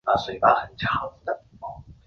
据说目前日本存有河童的木乃伊。